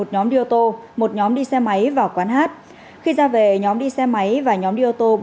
một nhóm đi ô tô một nhóm đi xe máy vào quán hát khi ra về nhóm đi xe máy và nhóm đi ô tô